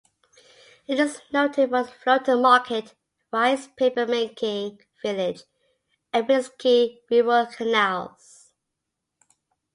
It is noted for its floating market, rice paper-making village, and picturesque rural canals.